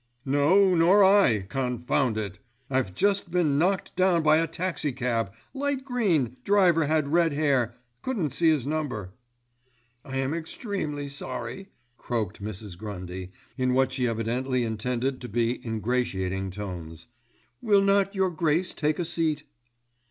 "No, nor I, confound it! I've just been knocked down by a taxicab, light green, driver had red hair, couldn't see his number." "I am extremely sorry," croaked Mrs. Grundy in what she evidently intended to be ingratiating tones. "Will not Your Grace take a seat."